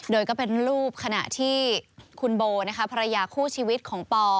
โดยก็เป็นรูปขณะที่คุณโบนะคะภรรยาคู่ชีวิตของปอ